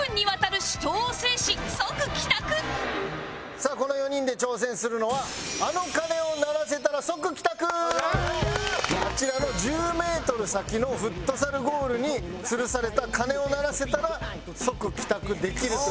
さあこの４人で挑戦するのはあちらの１０メートル先のフットサルゴールにつるされた鐘を鳴らせたら即帰宅できるという。